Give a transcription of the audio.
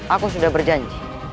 aku sudah berjanji